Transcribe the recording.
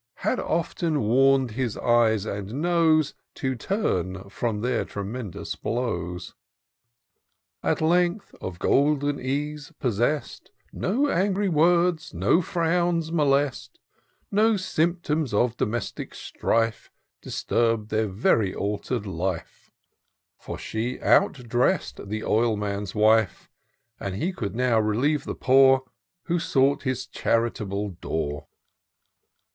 Had often warn'd his eyes and nose To turn from their tremendous blows. IN SEARCH OF THE PICTURESaUE. 355 At lengthy of golden ease possest, No angry words, no frownd, molest ; No symptoms of domestic strife Disturb'd their very alter'd life, — For she out dress'd the Oilman's wife ; And he could now relieve the poor. Who sought his charitable door.